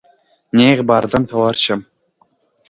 نیغ به اردن ته ورشم.